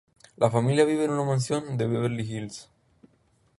La familia vive en una mansión de Beverly Hills.